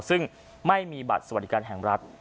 ซึ่งไม่มีบัตรสวัสดิการแห่งรัฐ